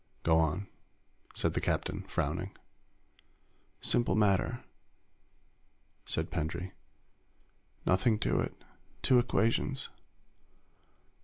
"Go on," said the captain, frowning. "Simple matter," said Pendray. "Nothing to it. Two equations.